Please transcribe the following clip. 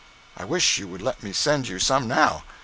i wish you would let me send you some now.